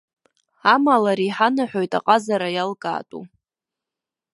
Амала ари иҳанаҳәоит аҟазара иалкаатәу.